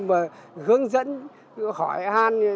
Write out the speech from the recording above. mà hướng dẫn hỏi an